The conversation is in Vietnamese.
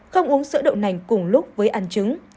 không uống sữa đậu nành cùng lúc với ăn trứng